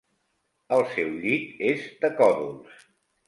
El seu llit és de còdols.